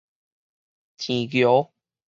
舐蟯